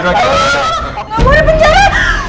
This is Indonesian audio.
nggak mau dipenjara